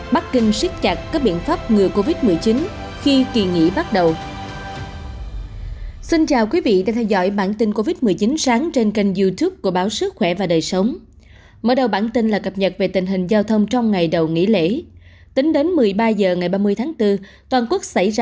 bắc kinh siết chặt các biện pháp ngừa covid một mươi chín khi kỳ nghỉ bắt đầu